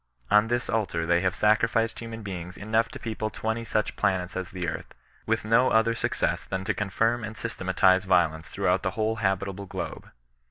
" On this altar they have sacrificed human beings enough to people twenty such planets as the earth, with no other success than to confirm and systematize violence throughout the whole habitable globe.